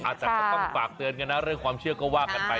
แต่ก็ต้องฝากเตือนกันนะเรื่องความเชื่อก็ว่ากันไป